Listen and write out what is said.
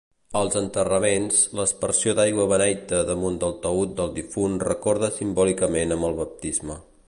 Als enterraments l'aspersió d'aigua beneita damunt del taüt del difunt recorda simbòlicament amb el baptisme.